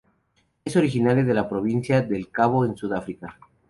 Es originaria de la Provincia del Cabo en Sudáfrica.